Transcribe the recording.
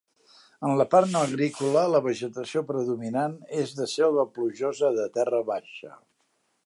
En la part no agrícola la vegetació predominant és de selva plujosa de terra baixa.